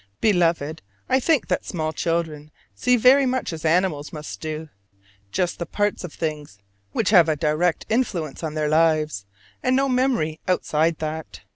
Beloved: I think that small children see very much as animals must do: just the parts of things which have a direct influence on their lives, and no memory outside that.